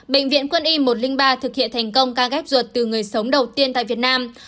bệnh viện quân y một trăm linh ba thực hiện thành công ca ghép ruột từ người sống đầu tiên tại việt nam